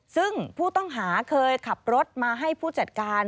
ซึ่งผู้ต้องหาเคยขับรถมาให้ผู้จัดการ